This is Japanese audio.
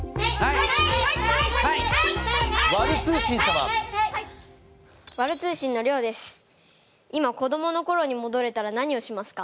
いま子どもの頃に戻れたら何をしますか？